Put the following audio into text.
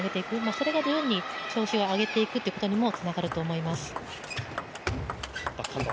それが徐々に調子を上げていくということにもつながると思います。